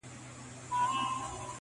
o په یوه سترګک یې داسي هدف و ویشت,